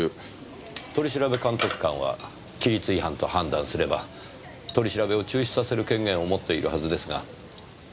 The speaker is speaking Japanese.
取調監督官は規律違反と判断すれば取り調べを中止させる権限を持っているはずですが。